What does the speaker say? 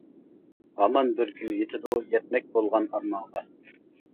ھامان بىر كۈن يىتىدۇ، يەتمەك بولغان ئارمانغا.